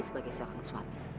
sebagai seorang suami